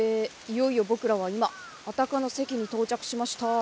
いよいよ僕らは今安宅の関に到着しました。